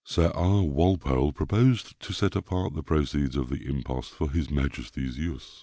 Sir R. Walpole proposed to set apart the proceeds of the impost for his majesty's use.